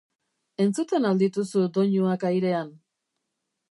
Entzuten al dituzu doinuak airean?